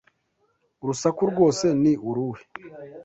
Urusaku rwose ni uruhe?